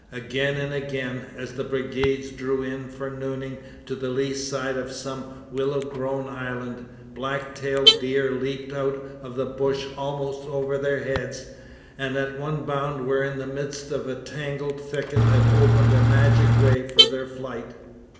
Again and again as the brigades drew in for nooning to the lee side of some willow grown island, black tailed deer leaped out of the brush almost over their heads, and at one bound were in the midst of a tangled thicket that opened a magic way for their flight.